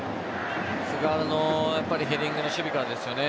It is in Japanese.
菅原のヘディングの守備からですよね。